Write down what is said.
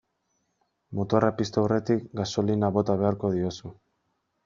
Motorra piztu aurretik gasolina bota beharko diozu.